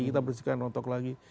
kita bersihkan rontok lagi